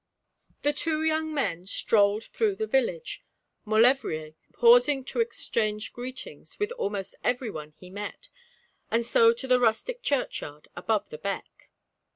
The two young men strolled through the village, Maulevrier pausing to exchange greetings with almost everyone he met, and so to the rustic churchyard, above the beck.